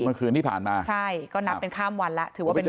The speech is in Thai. วันคืนที่ผ่านมาใช่ก็นับเป็นข้ามวันล่ะ